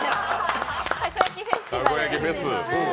たこ焼きフェスティバル。